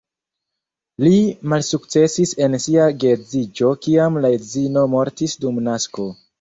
Li malsukcesis en sia geedziĝo kiam la edzino mortis dum nasko.